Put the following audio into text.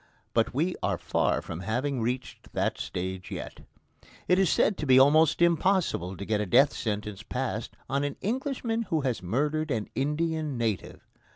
But we are far from having reached that stage yet. It is said to be almost impossible to get a death sentence passed on an Englishman who has murdered an Indian native.